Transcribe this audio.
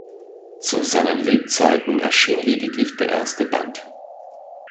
Zu seinen Lebzeiten erschien lediglich der erste Band.